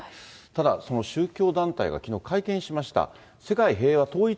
ただ、その宗教団体がきのう会見しました。